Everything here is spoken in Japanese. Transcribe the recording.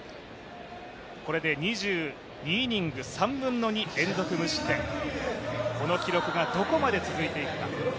これで２２イニング３分の２連続無失点、この記録がどこまで続いていくか。